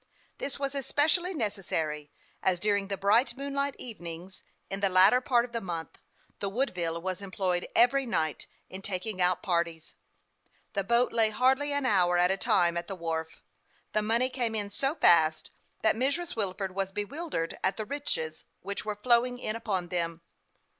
This was especially necessary, as, during the bright moonlight evenings, in the latter part of the month, the Woodville was employed every night in taking out parties. The boat lay hardly an hour at a time at the wharf. The money came in so fast that Mrs. Wilford was bewil dered at the riches which were flowing in upon them.